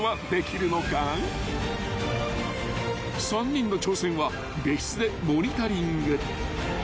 ［３人の挑戦は別室でモニタリング］